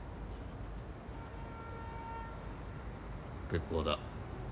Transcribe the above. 結構だ。